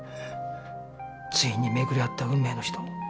ついに巡り合った運命の人。